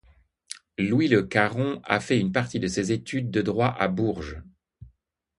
Louis Le Caron a fait une partie de ses études de droit à Bourges.